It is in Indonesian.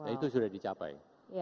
itu sudah dicapai